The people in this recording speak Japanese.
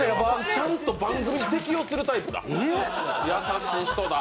ちゃんと番組に適応する人だ、優しい人だ。